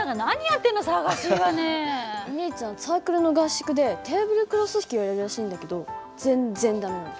お兄ちゃんサークルの合宿でテーブルクロス引きをやるらしいんだけど全然駄目なの。